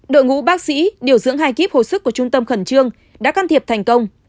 đội ngũ bác sĩ điều dưỡng hai kíp hồi sức của trung tâm khẩn trương đã can thiệp thành công